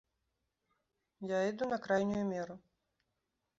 Я іду на крайнюю меру.